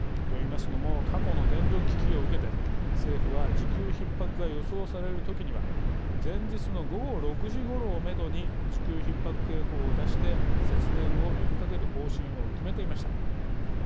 といいますのも過去の電力危機を受けて政府は需給ひっ迫が予想されるときには前日の午後６時ごろをめどに需給ひっ迫警報を出して節電を呼びかける方針を決めていました。